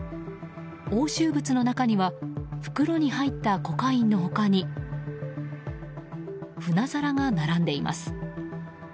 押収物の中には袋に入ったコカインの他に舟皿が並んでいます。